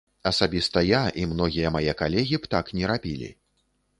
Асабіста я і многія мае калегі б так не рабілі.